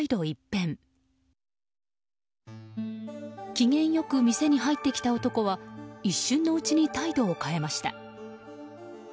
機嫌良く店に入ってきた男は一瞬のうちに態度を変えました。